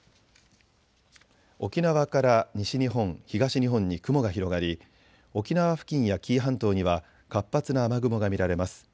沖縄から西日本、東日本に雲が広がり沖縄付近や紀伊半島には活発な雨雲が見られます。